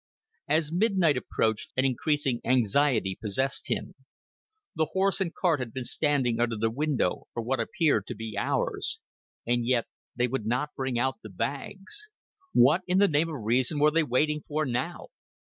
As midnight approached, an increasing anxiety possessed him. The horse and cart had been standing under the window for what appeared to be hours, and yet they would not bring out the bags. What in the name of reason were they waiting for now?